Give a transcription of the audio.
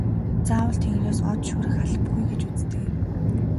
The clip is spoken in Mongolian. Заавал тэнгэрээс од шүүрэх албагүй гэж үздэг юм.